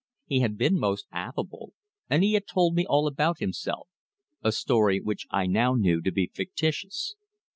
He had been most affable, and he had told me all about himself a story which I now knew to be fictitious.